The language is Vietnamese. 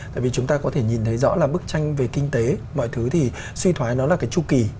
tại vì chúng ta có thể nhìn thấy rõ là bức tranh về kinh tế mọi thứ thì suy thoái nó là cái chu kỳ